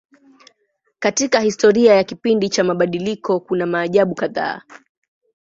Katika historia ya kipindi cha mabadiliko kuna maajabu kadhaa.